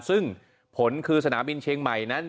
ซึ่งผลคือสนามบินเชียงใหม่นั้น